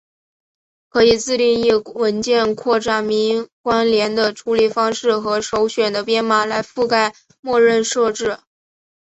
可以自定义文件扩展名关联的处理方式和首选的编码来覆盖默认设置。